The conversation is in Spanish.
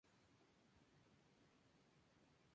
Esta obra se encontraba en el cuerpo bajo del retablo.